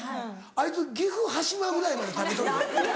あいつ岐阜羽島ぐらいまで食べとる。